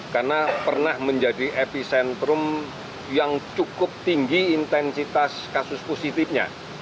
karena pernah menjadi epicentrum yang cukup tinggi intensitas kasus positifnya